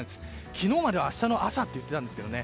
昨日までは明日の朝と言っていたんですがね。